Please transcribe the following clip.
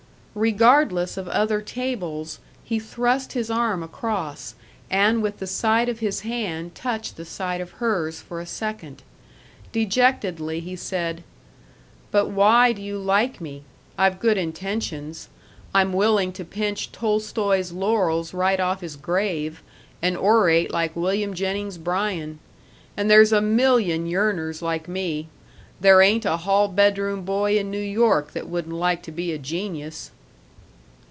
Regardless of other tables, he thrust his arm across, and with the side of his hand touched the side of hers for a second. Dejectedly he said: "But why do you like me? I've good intentions; I'm willing to pinch Tolstoi's laurels right off his grave, and orate like William Jennings Bryan. And there's a million yearners like me. There ain't a hall bedroom boy in New York that wouldn't like to be a genius."